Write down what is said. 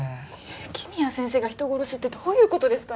雪宮先生が人殺しってどういう事ですかね？